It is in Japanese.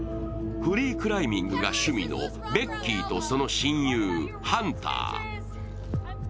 フリークライミングが趣味のベッキーとその親友・ハンター。